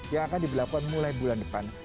yang akan diberlakukan mulai bulan depan